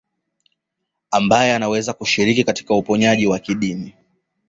Ambaye anaweza kushiriki katika uponyaji wa kidini